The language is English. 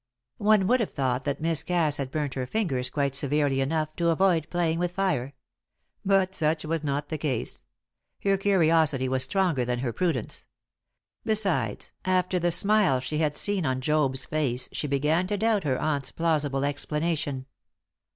One would have thought that Miss Cass had burnt her fingers quite severely enough to avoid playing with fire. But such was not the case. Her curiosity was stronger than her prudence.. Besides, after the smile she had seen on Job's face she began to doubt her aunt's plausible explanation.